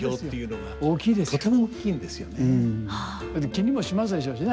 気にもしますでしょうしね